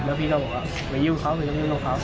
แล้วพี่เค้าบอกว่าไม่ยุ่นเค้าไม่ยุ่นเค้า